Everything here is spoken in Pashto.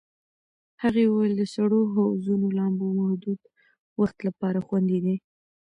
هغې وویل د سړو حوضونو لامبو محدود وخت لپاره خوندي دی.